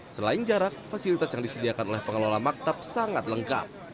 selain jarak fasilitas yang disediakan oleh pengelola maktab sangat lengkap